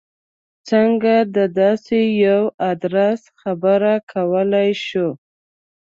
څنګه د داسې یوه ادرس خبره کولای شو.